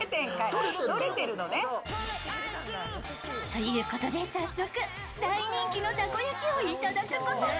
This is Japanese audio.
ということで早速、大人気のたこ焼きをいただくことに。